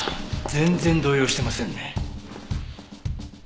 全然動揺してませんね。